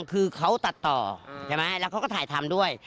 คือเขาตัดต่อใช่ไหมแล้วเขาก็ถ่ายทำด้วย